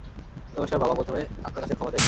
নমষ্কার বাবা, প্রথমে, আপনার কাছে ক্ষমা চাইবো।